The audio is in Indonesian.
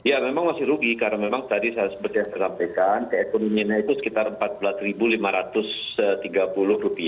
ya memang masih rugi karena memang tadi seperti yang saya sampaikan keekonomiannya itu sekitar rp empat belas lima ratus tiga puluh